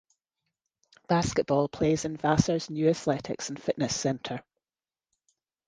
Basketball plays in Vassar's new Athletics and Fitness Center.